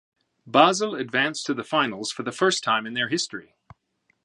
Basel advanced to the finals for the first time in their history.